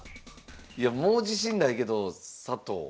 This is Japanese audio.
いやもう自信ないけど佐藤。